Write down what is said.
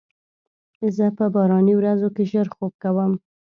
زه په باراني ورځو کې ژر خوب کوم.